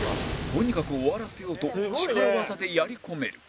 とにかく終わらせようと力技でやり込める